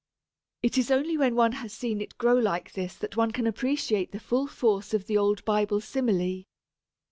It is only when one has seen it grow like this that one can appreciate the full force of the old Bible simile.